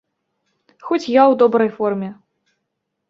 Хоць я ў добрай форме.